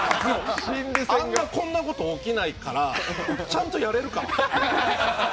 あんまこんなこと起きないから、ちゃんとやれるか？